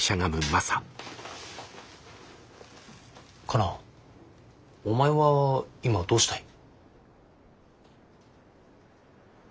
カナお前は今どうしたい？